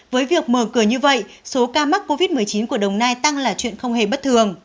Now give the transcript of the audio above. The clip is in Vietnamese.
với việc mở cửa như vậy số ca mắc covid một mươi chín của đồng nai tăng là chuyện không hề bất thường